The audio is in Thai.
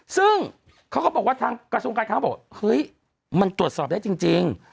ซึ่งเราก็บอกว่ากัสท์ทุกงานบอกให้เฮ้ยมันตรวจสอบได้จริง